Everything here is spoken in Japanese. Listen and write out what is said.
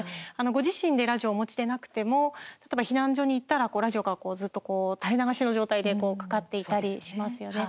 ご自身でラジオお持ちでなくても例えば、避難所へ行ったらラジオがずっと垂れ流しの状態でかかっていたりしますよね。